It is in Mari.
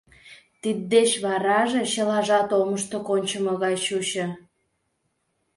Тиддеч вараже чылажат омышто кончымо гай чучо.